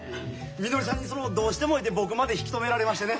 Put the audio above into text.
みのりさんにそのどうしても言うて僕まで引き止められましてね。